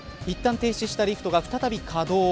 いったん停止したリフトが再び稼働。